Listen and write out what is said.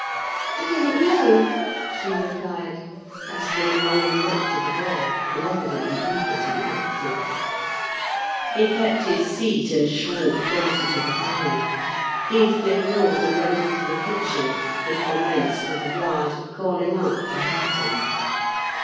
"I don't know," she replied, casting a longing look to the door, and evidently eager to be active. He kept his seat, and shrank closer to the fire. Heathcliff rose, and went into the kitchen, and from thence to the yard, calling out for Hareton.